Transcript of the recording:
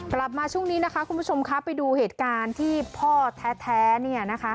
กลับมาช่วงนี้นะคะคุณผู้ชมครับไปดูเหตุการณ์ที่พ่อแท้เนี่ยนะคะ